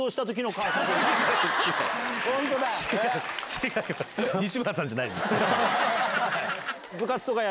違います西村さんじゃないです。